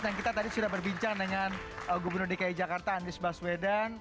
yang tadi kami sudah berbincang dengan gubernur dki jakarta andries baswedan